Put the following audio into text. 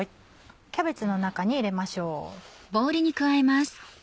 キャベツの中に入れましょう。